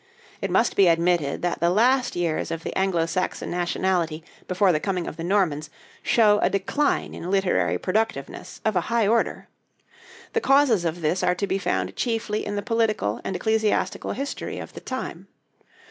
It must be admitted that the last years of the Anglo Saxon nationality before the coming of the Normans show a decline in literary productiveness of a high order. The causes of this are to be found chiefly in the political and ecclesiastical history of the time.